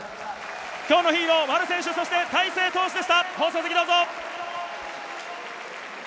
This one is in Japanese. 今日のヒーロー・丸選手、そして大勢投手でした。